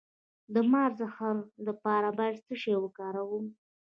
د مار د زهر لپاره باید څه شی وکاروم؟